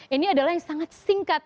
ini adalah yang sangat singkat